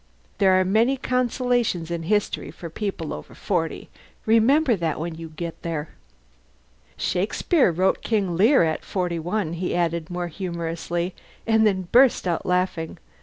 There are many consolations in history for people over forty! Remember that when you get there. "Shakespeare wrote 'King Lear' at forty one," he added, more humorously; and then burst out laughing.